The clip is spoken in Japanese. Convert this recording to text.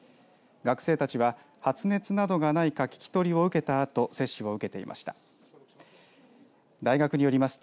学生たちは発熱などがないか聞き取りを受けたあと接種を受けていました。